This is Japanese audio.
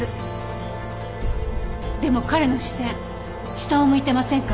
でも彼の視線下を向いてませんか？